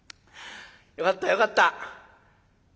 よかったよかった。